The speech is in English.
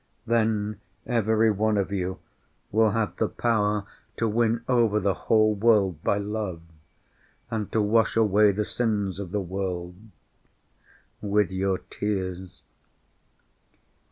Then every one of you will have the power to win over the whole world by love and to wash away the sins of the world with your tears....